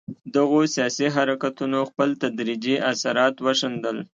دغو سیاسي حرکتونو خپل تدریجي اثرات وښندل.